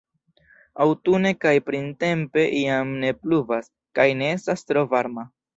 Aŭtune kaj printempe jam ne pluvas kaj ne estas tro varma.